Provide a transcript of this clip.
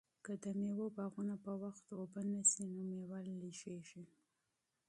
که د مېوو باغونه په وخت اوبه نشي نو مېوه لږیږي.